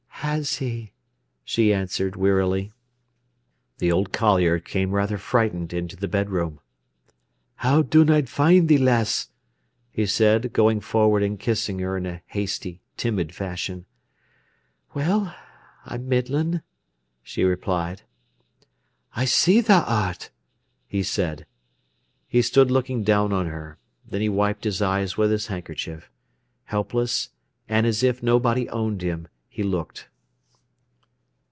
"Has he?" she answered wearily. The old collier came rather frightened into the bedroom. "How dun I find thee, lass?" he said, going forward and kissing her in a hasty, timid fashion. "Well, I'm middlin'," she replied. "I see tha art," he said. He stood looking down on her. Then he wiped his eyes with his handkerchief. Helpless, and as if nobody owned him, he looked.